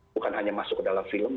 bukan hanya masuk ke dalam film